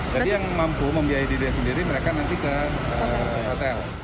jadi yang mampu membiayai dirinya sendiri mereka nanti ke hotel